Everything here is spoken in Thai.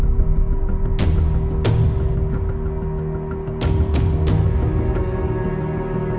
ที่สุดท้ายที่สุดท้าย